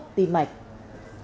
bệnh viện bạch mai